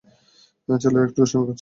ছেলেরা একটু দুষ্টামি করেছে।